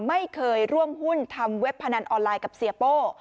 ไม่เคยร่วมหุ้นทำเว็บพนันออนไลน์กับเสียโป้